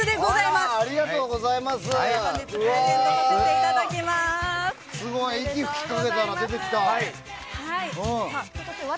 すごい！息吹きかけたら出てきた。